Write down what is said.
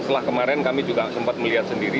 setelah kemarin kami juga sempat melihat sendiri